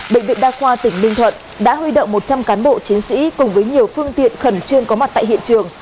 bệnh viện đa khoa tỉnh ninh thuận đã huy động một trăm linh cán bộ chiến sĩ cùng với nhiều phương tiện khẩn trương có mặt tại hiện trường